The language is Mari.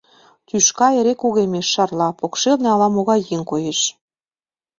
Тӱшка эре кугемеш, шарла. Покшелне ала-могай еҥ коеш.